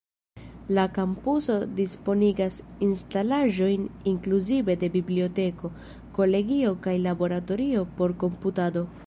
La kampuso disponigas instalaĵojn inkluzive de biblioteko, kolegio kaj laboratorio por komputado.